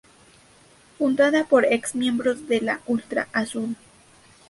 Fundada por ex-miembros de la Ultra Azul.